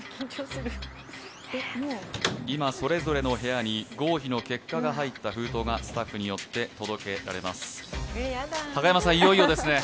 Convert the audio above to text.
今それぞれの部屋に合否の結果が入った封筒がスタッフによって届けられます。